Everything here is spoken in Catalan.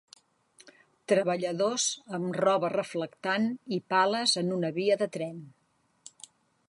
Treballadors amb roba reflectant i pales en una via de tren.